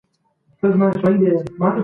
هر نیم ساعت کې درې دقیقې پلی تګ وشو.